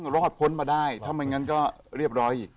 รอดพ้นมาได้ถ้าไม่งั้นก็เรียบร้อยอีก